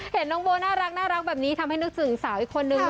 เห็นน้องโบน่ารักแบบนี้ทำให้นึกถึงสาวอีกคนนึง